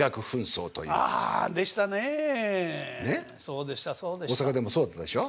そうでしたそうでした。